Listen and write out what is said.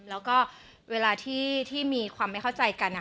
แล้วก็เวลาที่มีความไม่เข้าใจกัน